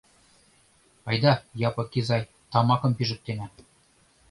Айда, Япык изай, тамакым пижыктена.